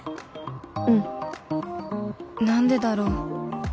うん何でだろう